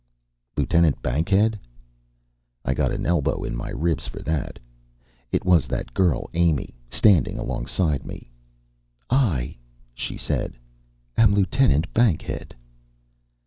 "Lieutenant Bankhead?" I got an elbow in my ribs for that. It was that girl Amy, standing alongside me. "I," she said, "am Lieutenant Bankhead."